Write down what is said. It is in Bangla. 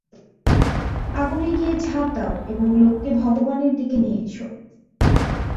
আগুনে গিয়ে ঝাঁপ দাও এবং লোককে ভগবানের দিকে নিয়ে এস।